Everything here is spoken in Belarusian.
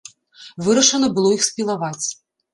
Вырашана было іх спілаваць.